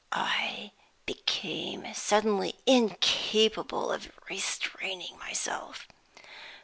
I became suddenly incapable of restraining myself.